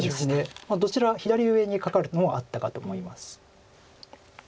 どちら左上にカカるのはあったかと思います。